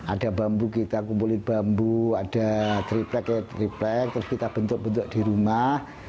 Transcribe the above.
ada bambu kita kumpulin bambu ada triplek triplek terus kita bentuk bentuk di rumah